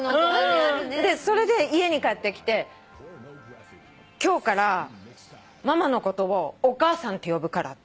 それで家に帰ってきて「今日からママのことをお母さんって呼ぶから」